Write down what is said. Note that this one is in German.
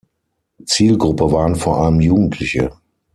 Zielgruppe waren vor allem Jugendliche.